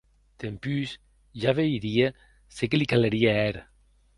Dempús ja veirie se qué li calerie hèr.